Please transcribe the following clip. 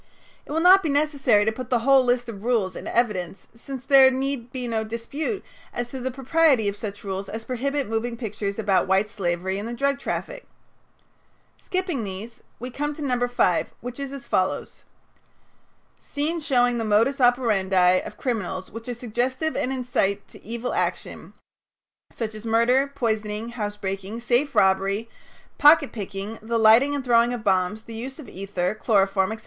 It will not be necessary to put the whole list of rules in evidence since there need be no dispute as to the propriety of such rules as prohibit moving pictures about white slavery and the drug traffic. Skipping these, we come to No. 5, which is as follows: "Scenes showing the modus operandi of criminals which are suggestive and incite to evil action, such as murder, poisoning, housebreaking, safe robbery, pocket picking, the lighting and throwing of bombs, the use of ether, chloroform, etc.